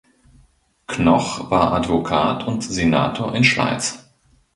Knoch war Advokat und Senator in Schleiz.